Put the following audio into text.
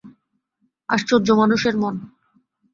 আশ্চর্য মানুষের মন।